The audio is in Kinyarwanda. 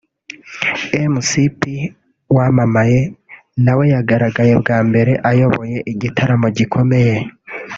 Mc P Wamamaye nawe yagaragaye bwa mbere ayoboye igitaramo gikomeye